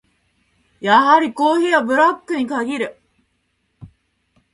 やはりコーヒーはブラックに限る。